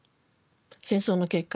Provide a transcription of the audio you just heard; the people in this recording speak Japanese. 戦争の結果